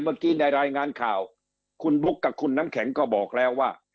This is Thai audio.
เมื่อกี้ในรายงานข่าวคุณบุ๊คกับคุณน้ำแข็งก็บอกแล้วว่า